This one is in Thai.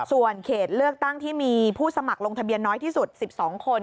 ส่วนเขตเลือกตั้งที่มีผู้สมัครลงทะเบียนน้อยที่สุด๑๒คน